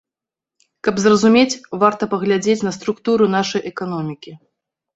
Каб зразумець, варта паглядзець на структуру нашай эканомікі.